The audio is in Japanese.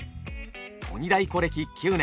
鬼太鼓歴９年。